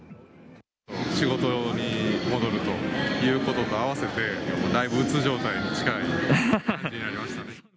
仕事に戻るということと合わせてだいぶうつ状態に近い感じになりましたね。